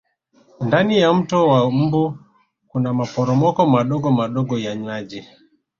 ndani ya mto wa mbu Kuna maporomoko madogomadogo ya maji